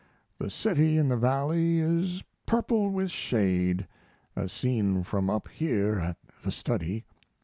The city in the valley is purple with shade, as seen from up here at the study.